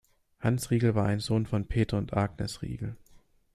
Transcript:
Hans Riegel war ein Sohn von Peter und Agnes Riegel.